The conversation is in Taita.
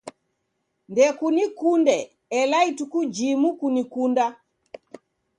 Ndekunikunde ela ituku jimu kunikunda.